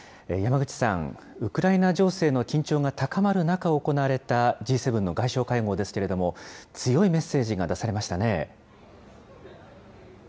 山口さん、ウクライナ情勢の緊張が高まる中行われたＧ７の外相会合ですけれども、強いメッセージが出されましたね。